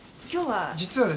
実はですね